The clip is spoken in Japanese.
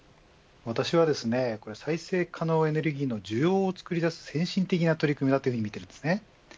私は再生可能エネルギーの需要を作り出す先進的な取り組みだと見ています。